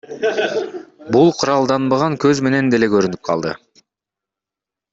Бул куралданбаган көз менен деле көрүнүп калды.